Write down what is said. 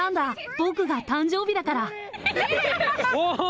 僕が誕生日だから。